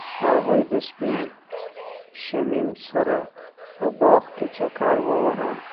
هغوی د سپین شمیم سره په باغ کې چکر وواهه.